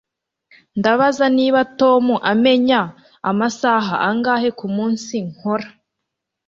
Ndabaza niba Tom amenya amasaha angahe kumunsi nkora